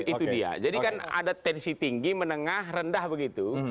itu dia jadi kan ada tensi tinggi menengah rendah begitu